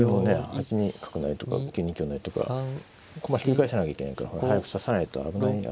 ８二角成とか９二香成とか駒ひっくり返さなきゃいけないからほら早く指さないと危ないよ。